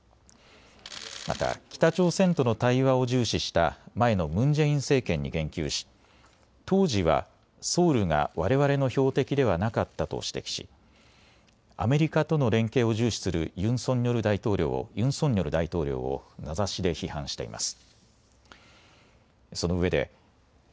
また北朝鮮との対話を重視した前のムン・ジェイン政権に言及し当時はソウルがわれわれの標的ではなかったと指摘しアメリカとの連携を重視するユン・ソンニョル大統領を名指しで批判しています。